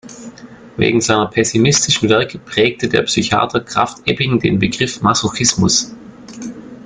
Wegen seiner pessimistischen Werke prägte der Psychiater Krafft-Ebing den Begriff „Masochismus“.